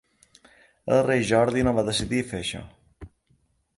El rei Jordi no va decidir fer això.